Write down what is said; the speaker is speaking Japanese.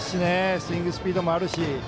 スイングスピードもあるし。